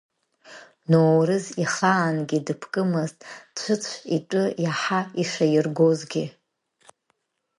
Ноурыз ихаангьы дыԥкымызт, Цәыцә итәы иаҳа ишаиргозгьы.